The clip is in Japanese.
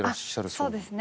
そうですね